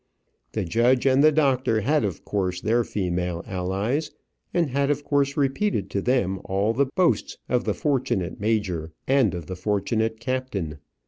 The judge and the doctor had of course their female allies, and had of course repeated to them all the boasts of the fortunate major and of the fortunate captain.